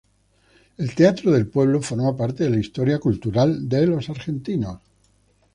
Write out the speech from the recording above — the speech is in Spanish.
El Teatro del Pueblo forma parte de la historia cultural de los argentinos.